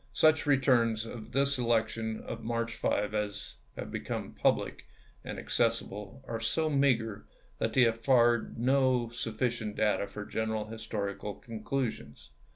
Such re turns of this election of March 5 as have become public and accessible are so meager that they afford no sufficient data for general historical con clusions.